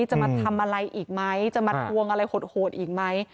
จะมาทำอะไรอีกมั้ยจะมาทวงอะไรโหดอีกมั้ย